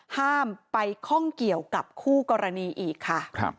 ห้ามไปข้องเกี่ยวกับคู่กรณีอีกค่ะ